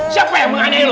siapa yang menganeh lu